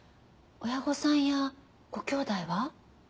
親御さんやご兄弟は？